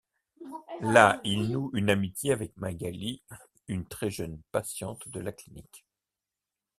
Là il noue une amitié avec Magali, une très jeune patiente de la clinique.